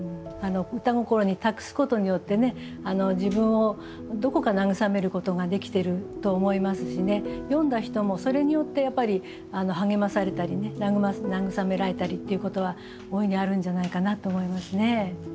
歌心に託すことによって自分をどこか慰めることができてると思いますしね読んだ人もそれによってやっぱり励まされたり慰められたりっていうことは大いにあるんじゃないかなと思いますね。